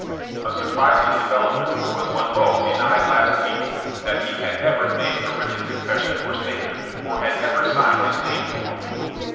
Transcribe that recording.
A surprising development was when Lowe de nied last evening that he had ever made a written confession or statement, or had ever signed his name to one.